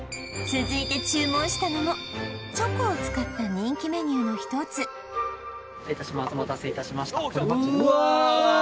続いて注文したのもチョコを使った人気メニューのひとつ失礼いたしますお待たせいたしました